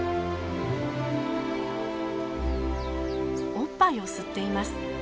おっぱいを吸っています。